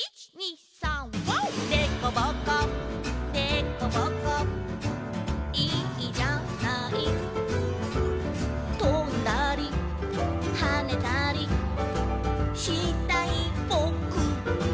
「でこぼこでこぼこいいじゃない」「とんだりはねたりしたいボク」